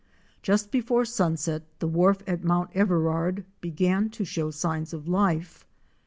Just before sunset the wharf at Mount Everard began to show signs of life.